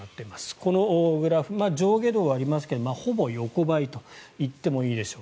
このグラフ上下動はありますがほぼ横ばいといってもいいでしょう。